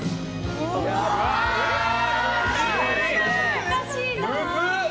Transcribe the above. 難しいな。